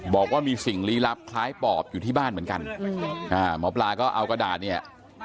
บอกว่ามีสิ่งลี้ลับคล้ายปอบอยู่ที่บ้านเหมือนกันหมอปลาก็เอากระดาษเนี่ย